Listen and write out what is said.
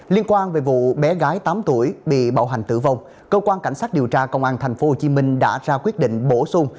liên quan về vụ bé gái tám tuổi bị bạo hành tử vong cơ quan cảnh sát điều tra công an tp hcm đã ra quyết định bổ sung